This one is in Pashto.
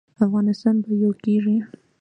افغانستان به یو کیږي؟